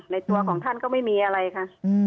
ตัวของท่านก็ไม่มีอะไรค่ะ